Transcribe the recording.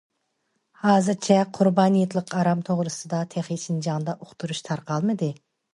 ھازىرچە قۇربان ھېيتلىق ئارام توغرىسىدا تېخى شىنجاڭدا ئۇقتۇرۇش تارقاتمىدى.